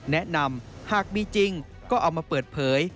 แนะนำหากมีจริงก็เอามาเปิดเผย